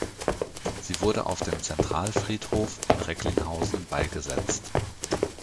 Sie wurde auf dem Zentralfriedhof in Recklinghausen beigesetzt.